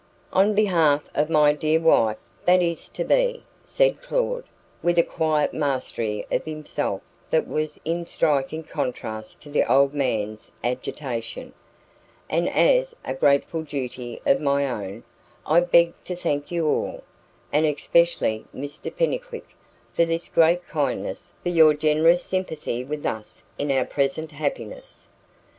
"On behalf of my dear wife that is to be," said Claud, with a quiet mastery of himself that was in striking contrast to the old man's agitation, "and as a grateful duty of my own, I beg to thank you all, and especially Mr Pennycuick, for this great kindness for your generous sympathy with us in our present happiness.